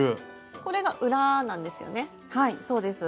これが裏なんですよね？